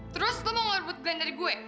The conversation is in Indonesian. terus lu mau ngorbut glenn dari gue